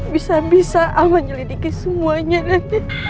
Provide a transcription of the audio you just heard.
bisa bisa al menyelidiki semuanya dan